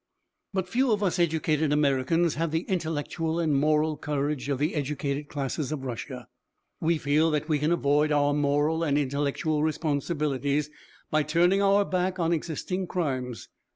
But few of us educated Americans have the intellectual and moral courage of the educated classes of Russia. We feel that we can avoid our moral and intellectual responsibilities by turning our back on existing crimes.